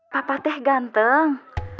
papa teh ganteng